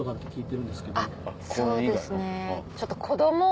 そうですね。